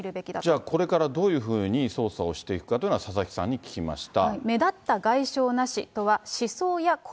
じゃあ、これからどういうふうに捜査をしていくかというのは、佐々木さんに聞きました。